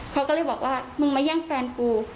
เขาก็เลยบอกว่ามึงมาแย่งแฟนกู